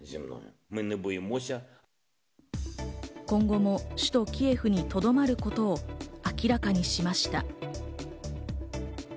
今後も首都キエフにとどまることを明らかにしました。